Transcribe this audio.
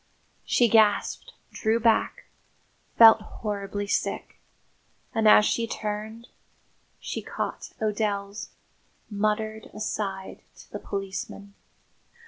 She gasped, drew back, felt horribly sick; and, as she turned, she caught O'Dell's muttered aside to the policeman.